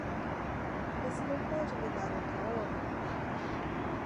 Você não pode me dar outra hora?